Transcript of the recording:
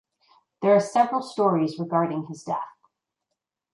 There are several stories regarding his death.